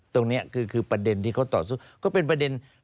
ตรงนี้คือประเด็นที่เขาต่อสู้ก็เป็นประเด็น